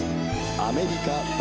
『アメリカ橋』。